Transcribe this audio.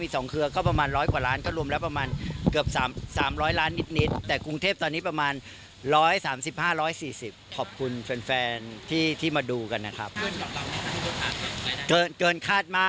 ที่ถูกใจคนดูเพราะว่าคนดูใกล้ชิดกับพระนะครับเป็นเรื่องใกล้ตัว